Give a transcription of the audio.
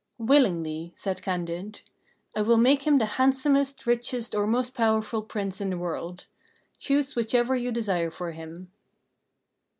"Willingly," said Candide. "I will make him the handsomest, richest, or most powerful Prince in the world. Choose whichever you desire for him."